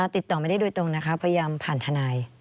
ติดต่อไม่ได้โดยตรงนะคะพยายามผ่านทนาย